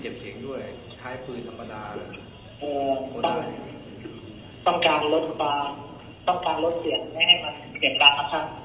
เห็นกันครับท่านขอบคุณประกาศให้ทุกคนพันธุ์ครับ